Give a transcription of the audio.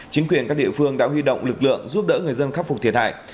chính quyền các địa phương đã huy động lực lượng giúp đỡ người dân khắc phục thiệt hại